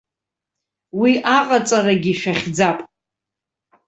Уи аҟаҵарагьы шәахьӡап!